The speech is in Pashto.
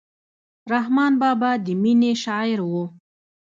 رحمان بابا د مینې شاعر و.